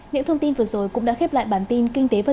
những thông tin vừa rồi cũng đã khép lại bản tin